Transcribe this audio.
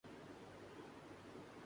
exporter ز کو بھی دھچکا لگا ہے